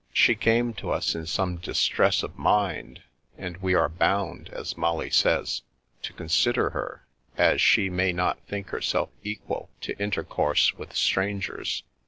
She came to us in some distress of mind, and we are bound, as Molly says, to consider her, as she may not think herself equal to intercourse with strangers.